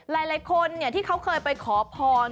หลายคนที่เขาเคยไปขอพร